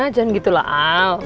jangan gitu lah al